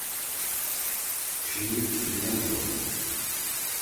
ڇھی پیِنل ہودُو۔